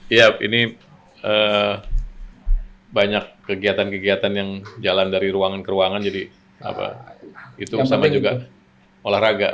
iya ini banyak kegiatan kegiatan yang jalan dari ruangan ke ruangan jadi itu sama juga olahraga